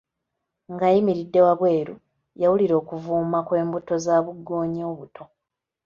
Ng'ayimiridde wabweru, yawulira okuvuuma kw' embuto za bugoonya obuto.